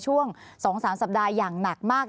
สวัสดีค่ะคุณผู้ชมค่ะสิ่งที่คาดว่าอาจจะเกิดขึ้นแล้วนะคะ